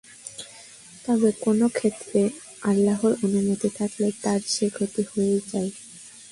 তবে কোন ক্ষেত্রে আল্লাহর অনুমতি থাকলে তার সে ক্ষতি হয়েই যায়।